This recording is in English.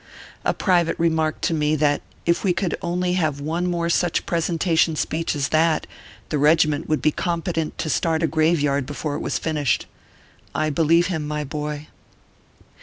A private remarked to me, that, if we could only have one more such pre sentation speech as that, the regiment would be com petent to start a grave yard before it was finished. I believe him, my boy